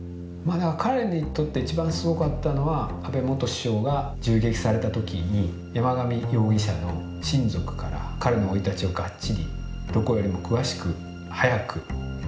彼にとって一番すごかったのは安倍元首相が銃撃された時に山上容疑者の親族から彼の生い立ちをがっちりどこよりも詳しく早く聞いてきた。